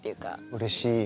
うれしい。